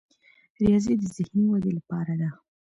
ریاضي د ذهني ودې لپاره ده.